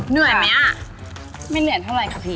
เหนื่อยไหมอ่ะไม่เหนื่อยเท่าไรค่ะพี่